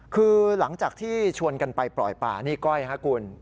คือหลังจากที่ชวนกันไปปล่อยป่านี่ก้อยครับคุณ